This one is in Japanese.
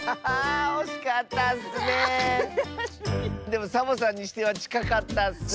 でもサボさんにしてはちかかったッス！